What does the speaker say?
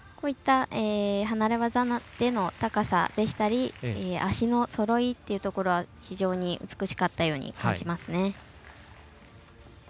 離れ技での高さでしたり足のそろいというところは非常に美しかったように感じます。